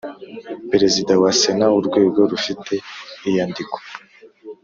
Perezida wa Sena urwego rufite iyandikwa